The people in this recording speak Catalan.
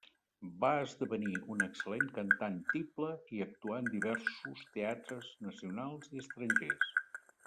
Va esdevenir una excel·lent cantant tiple i actuà en diversos teatres nacionals i estrangers.